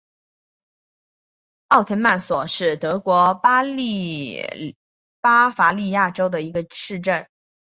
奥滕索斯是德国巴伐利亚州的一个市镇。